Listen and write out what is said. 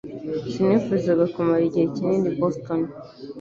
Sinifuzaga kumara igihe kinini i Boston